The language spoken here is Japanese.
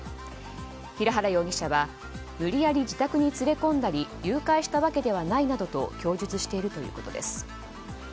平原容疑者は無理やり自宅に連れ込んだり誘拐したわけではないなどと供述しているということです。